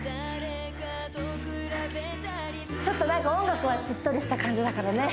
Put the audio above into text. ちょっとなんか音楽はしっとりした感じだからね